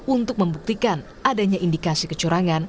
untuk membuktikan adanya indikasi kecurangan